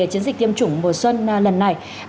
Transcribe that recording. chiến dịch tiêm chủng mùa xuân lần này